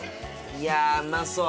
いやあうまそう！